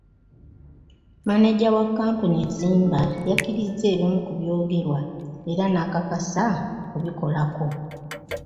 Maneja wa kkampuni ezimba yakkiriza ebimu ku byogerwa era n'akakasa okubikolako.